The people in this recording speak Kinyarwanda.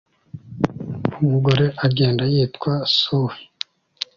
Umugore agenda yitwa Sue